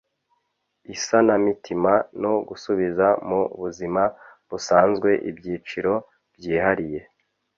isanamitima no gusubiza mu buzima busanzwe ibyiciro byihariye